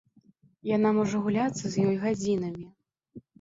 Яна можа гуляцца з ёй гадзінамі.